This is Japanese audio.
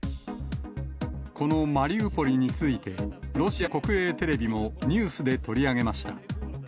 このマリウポリについて、ロシア国営テレビも、ニュースで取り上げました。